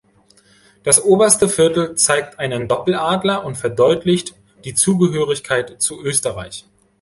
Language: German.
Das oberste Viertel zeigt einen Doppeladler und verdeutlicht die Zugehörigkeit zu Österreich.